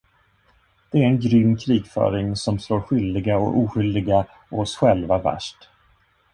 Det är en grym krigföring som slår skyldiga och oskyldiga och oss själva värst.